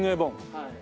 はい。